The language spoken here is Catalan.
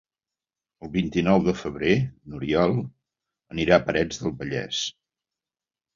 El vint-i-nou de febrer n'Oriol anirà a Parets del Vallès.